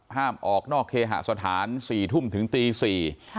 ห้ามออกนอกเคหสถานสี่ทุ่มถึงตี๔